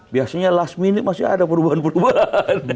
biasanya last minute masih ada perubahan perubahan